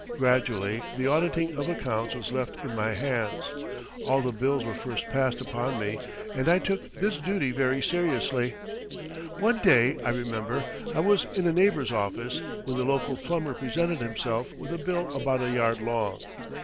Gradually the auditing of accounts was left in my hands. All the bills were first passed upon by me, and I took this duty very seriously. One day, I remember, I was in a neighbour's office, when the local plumber presented himself with a bill about a yard long.